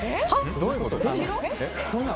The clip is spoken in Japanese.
どういうこと？